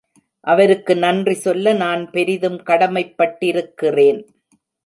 அவருக்கு நன்றி சொல்ல நான் பெரிதும் கடமைப்பட்டிருக்கிறேன்.